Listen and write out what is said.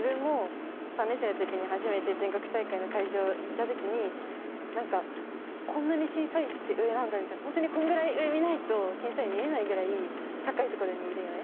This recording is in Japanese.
３年生のときに初めて全国大会の会場行ったときに、なんか、こんなに審査員って上なんだみたいな、本当にこのぐらい上見ないと、審査員見えないぐらい、高い所にいるのね。